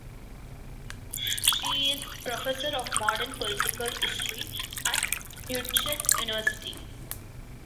She is Professor of Modern Political History at Utrecht University.